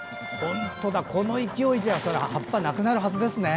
この勢いじゃ葉っぱはなくなるはずですよね。